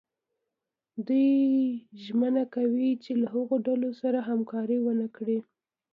دوی ژمنه کوي چې له هغو ډلو سره همکاري ونه کړي.